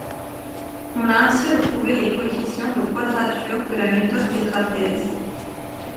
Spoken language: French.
On a ainsi retrouvé les coefficients de quadrature de la méthode des trapèzes.